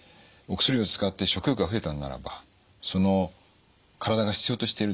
お薬を使って食欲が増えたならばその体が必要としているですね